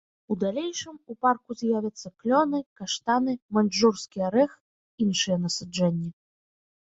У далейшым у парку з'явяцца клёны, каштаны, маньчжурскі арэх, іншыя насаджэнні.